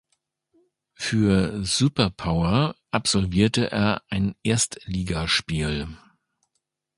Für Super Power absolvierte er ein Erstligaspiel.